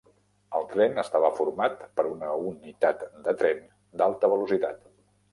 El tren estava format per una unitat de tren d'alta velocitat.